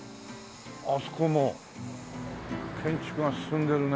あそこも建築が進んでるね。